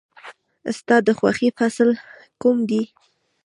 ستا د خوښې فصل کوم دی؟